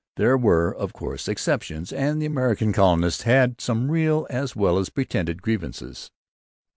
There were, of course, exceptions; and the American colonists had some real as well as pretended grievances.